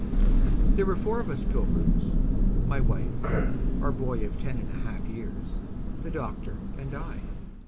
There were four of us pilgrims my Wife, our Boy of ten and a half years, the Doctor, and I.